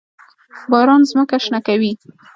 باران ځمکه شنه کوي.